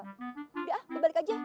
udah ah gue balik aja